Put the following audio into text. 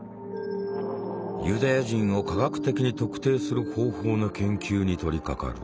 ユダヤ人を科学的に特定する方法の研究に取りかかる。